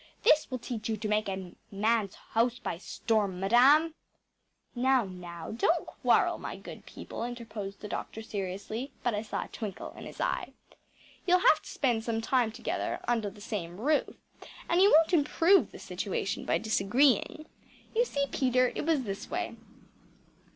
This will teach you to take a man’s house by storm, madam!‚ÄĚ “Now, now, don’t quarrel, my good people,‚ÄĚ interposed the doctor seriously but I saw a twinkle in his eye. “You’ll have to spend some time together under the same roof and you won’t improve the situation by disagreeing. You see, Peter, it was this way.